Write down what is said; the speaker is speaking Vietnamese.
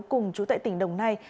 cùng chú tại tỉnh đồng nai